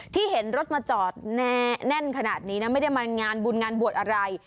เห็นรถมาจอดแน่นขนาดนี้นะไม่ได้มางานบุญงานบวชอะไร